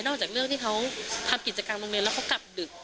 จากเรื่องที่เขาทำกิจกรรมโรงเรียนแล้วเขากลับดึก